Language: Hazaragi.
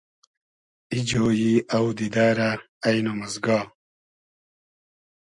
ای جۉیی اۆدیدۂ رۂ اݷنئم از گا